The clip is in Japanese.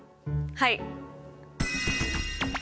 はい！